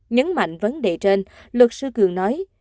nhấn mạnh vấn đề trên luật sư cường nói